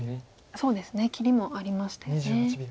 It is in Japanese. そうですね切りもありましたよね。